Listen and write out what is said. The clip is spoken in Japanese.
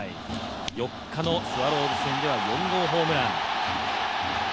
４日のスワローズ戦では４号ホームラン。